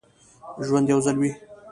ژوند یو ځل وي